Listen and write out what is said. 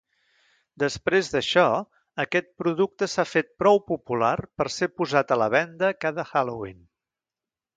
Després d'això, aquest producte s'ha fet prou popular per ser posat a la venda cada Halloween.